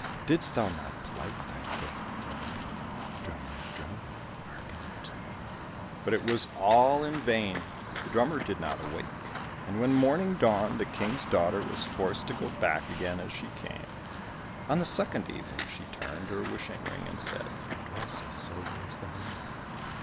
Didst thou not plight thy troth to me? Drummer, drummer, hearken to me!" But it was all in vain, the drummer did not awake, and when morning dawned, the King's daughter was forced to go back again as she came. On the second evening she turned her wishing ring and said, "A dress as silvery as the moon."